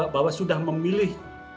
bahwa sudah memilih